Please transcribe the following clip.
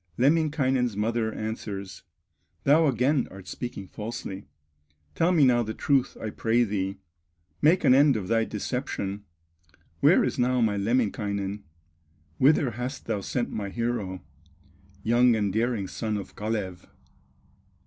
Lemminkainen's mother answers: "Thou again art speaking falsely; Tell me now the truth I pray thee, Make an end of thy deception, Where is now my Lemminkainen, Whither hast thou sent my hero, Young and daring son of Kalew?